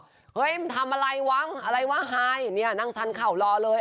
บอกเฮ้ยมันทำอะไรว้างอะไรว่าหายเนี่ยนั่งชั้นเข่ารอเลย